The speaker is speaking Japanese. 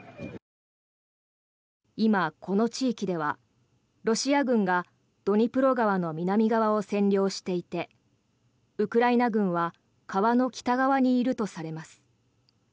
今、この地域ではロシア軍がドニプロ川の南側を占領していてウクライナ軍は川の北側にいるとされます。